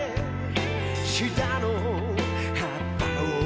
「シダの葉っぱを」